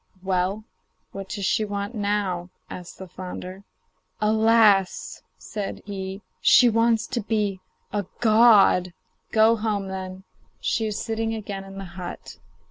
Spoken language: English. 'Well, what does she want now?' asked the flounder. 'Alas!' said he, 'she wants to be a god.' 'Go home, then; she is sitting again in the hut.